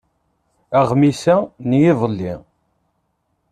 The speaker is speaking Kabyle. Aɣmis-a n yiḍelli.